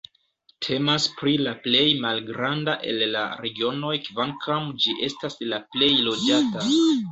Temas pri la plej malgranda el la regionoj kvankam ĝi estas la plej loĝata.